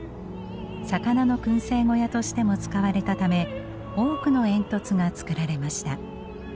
魚の燻製小屋としても使われたため多くの煙突が作られました。